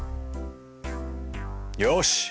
「よし！